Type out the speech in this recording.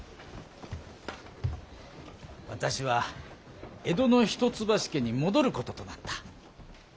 私は江戸の一橋家に戻ることとなった。